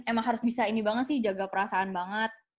emang harus bisa ini banget sih jaga perasaan banget